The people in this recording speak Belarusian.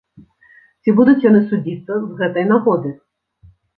Ці будуць яны судзіцца з гэтай нагоды?